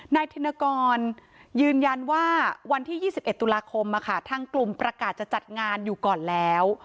ธินกรยืนยันว่าวันที่๒๑ตุลาคมทางกลุ่มประกาศจะจัดงานอยู่ก่อนแล้ว